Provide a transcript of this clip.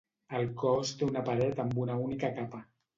El cos té una paret amb una única capa.